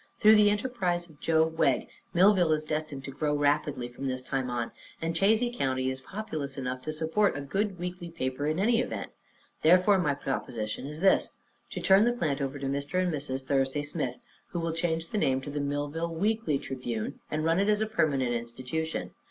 Through the enterprise of Joe Wegg, Millville is destined to grow rapidly from this time on, and Chazy County is populous enough to support a good weekly paper, in any event. Therefore, my proposition is this: To turn the plant over to Mr. and Mrs. Thursday Smith, who will change the name to the Millville Weekly Tribune and run it as a permanent institution.